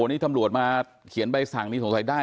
นี่ตำรวจมาเขียนใบสั่งนี้สงสัยได้